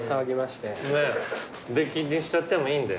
出禁にしちゃってもいいんで。